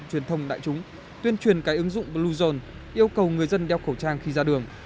truyền thông đại chúng tuyên truyền cái ứng dụng bluezone yêu cầu người dân đeo khẩu trang khi ra đường